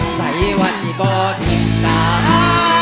ใส่วาธิบอทินตา